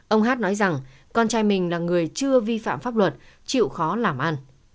ông hát nói rằng con trai mình là người chưa vi phạm pháp luật chịu khó làm ăn